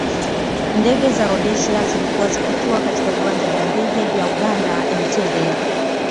Ndege za Rhodesia zilikuwa zikitua katika viwanja vya ndege vya Uganda Entebbe